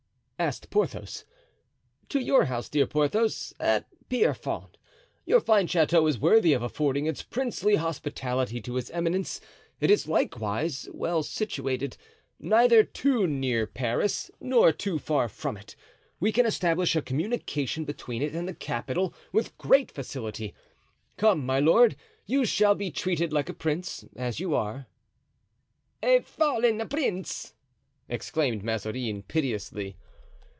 asked Porthos. "To your house, dear Porthos, at Pierrefonds; your fine chateau is worthy of affording its princely hospitality to his eminence; it is, likewise, well situated—neither too near Paris, nor too far from it; we can establish a communication between it and the capital with great facility. Come, my lord, you shall be treated like a prince, as you are." "A fallen prince!" exclaimed Mazarin, piteously.